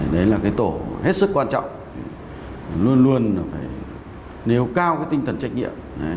đấy là tổ hết sức quan trọng luôn luôn nếu cao tinh thần trách nhiệm